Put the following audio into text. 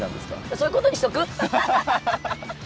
そういうことにしとく？